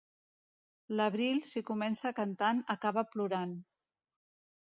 L'abril, si comença cantant, acaba plorant.